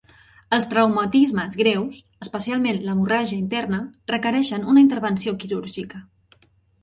Els traumatismes greus, especialment l'hemorràgia interna, requereixen una intervenció quirúrgica.